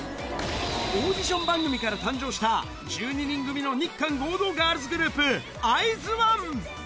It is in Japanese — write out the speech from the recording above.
オーディション番組から誕生した、１２人組の日韓合同ガールズグループ、アイズワン。